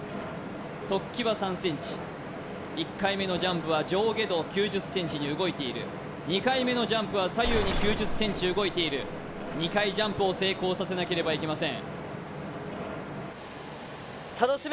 突起は３ｃｍ１回目のジャンプは上下動９０ｃｍに動いている２回目のジャンプは左右に９０ｃｍ動いている２回ジャンプを成功させなければいけません